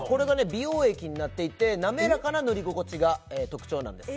美容液になっていてなめらかな塗り心地が特徴なんです